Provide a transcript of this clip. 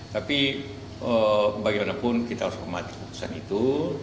tapi bagaimanapun kita harus hormati keputusan itu